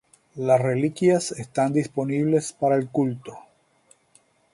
Las reliquias están disponibles para el culto.